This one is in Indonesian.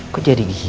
kok jadi gini